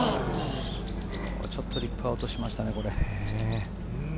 ちょっとリップアウトしましたね。